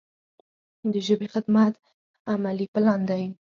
د ژبې خدمت عملي پلان دی.